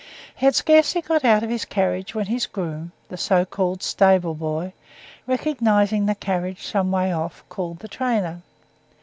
He had scarcely got out of his carriage when his groom, the so called "stable boy," recognizing the carriage some way off, called the trainer.